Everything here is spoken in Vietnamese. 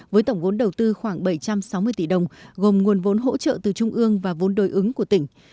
với tổng vốn đầu tư khoảng bảy trăm sáu mươi tỷ đồng gồm nguồn vốn hỗ trợ từ trung ương và vốn đối ứng của tỉnh